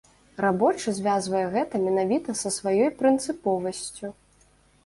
Рабочы звязвае гэта менавіта са сваёй прынцыповасцю.